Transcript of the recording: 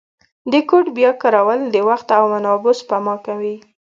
د کوډ بیا کارول د وخت او منابعو سپما کوي.